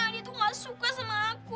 adi tuh gak suka sama aku